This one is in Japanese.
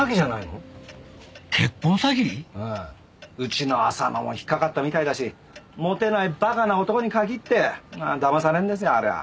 うちの浅野も引っかかったみたいだしモテない馬鹿な男に限ってだまされるんですよあれは。